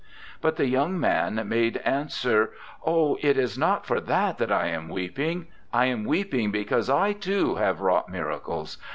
But the young man made answer, "Oh, it is not for that that I am weeping. I am weeping because I, too, have wrought miracles.